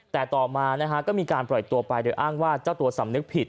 แต่ต่อมาก็มีการปล่อยตัวไปโดยอ้างว่าเจ้าตัวสำนึกผิด